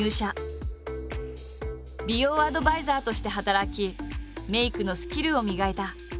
美容アドバイザーとして働きメイクのスキルを磨いた。